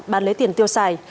bán lấy tiền tiêu xài